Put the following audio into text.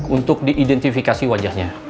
untuk diidentifikasi wajahnya